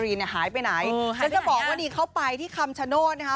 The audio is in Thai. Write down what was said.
หายไปไหนหายไปไหนค่ะจะจะบอกว่าวันนี้เข้าไปที่คำชะโน้นนะคะ